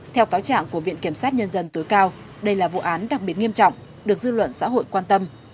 theo cáo trạng của viện kiểm sát nhân dân tối cao đây là vụ án đặc biệt nghiêm trọng được dư luận xã hội quan tâm